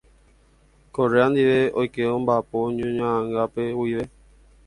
Correa ndive oike ombaʼapo ñohaʼãngápe guive.